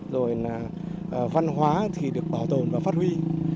rồi là văn hóa thì được bảo tồn và phát huy